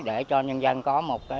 để cho nhân dân có